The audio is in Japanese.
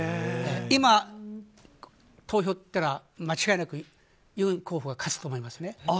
今、投票になったら間違いなくユン候補が勝つと思いますね。